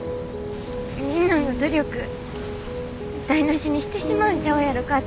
みんなの努力台なしにしてしまうんちゃうやろかって。